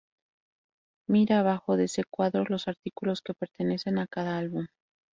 Mira abajo de ese cuadro los artículos que pertenecen a cada álbum.